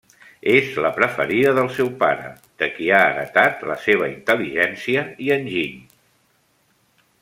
És la preferida del seu pare, de qui ha heretat la seva intel·ligència i enginy.